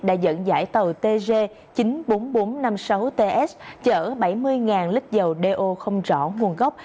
đã dẫn dãi tàu tg chín mươi bốn nghìn bốn trăm năm mươi sáu ts chở bảy mươi lít dầu do không rõ nguồn gốc